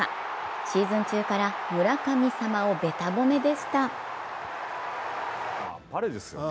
シーズン中から村神様をべた褒めでした。